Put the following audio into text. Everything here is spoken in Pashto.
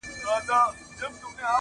سرې لمبې په غېږ کي ګرځولای سي.!